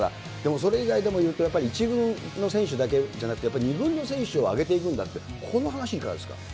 それ以外ではやっぱり１軍の選手だけじゃなくて、やっぱり２軍の選手を上げていくんだって、この話いかがですか？